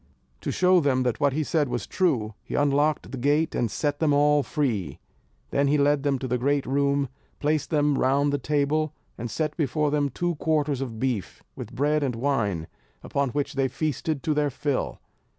To show them that what he said was true, he unlocked the gate, and set them all free. Then he led them to the great room, placed them round the table, and set before them two quarters of beef, with bread and wine; upon which they feasted to their fill.